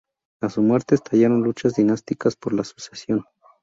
A su muerte estallaron luchas dinásticas por la sucesión.